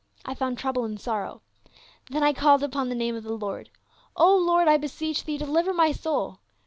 I found trouble and sorrow. Then called I upon the name of the Lord. Lord, I beseech thee, deliver my soul